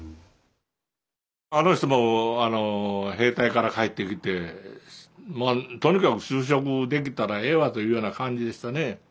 あの人も兵隊から帰ってきてとにかく就職できたらええわというような感じでしたね。